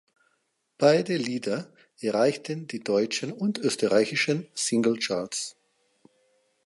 Beide Lieder erreichten die deutschen und österreichischen Singlecharts.